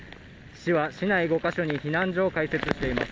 市は市内５カ所に避難所を開設しています。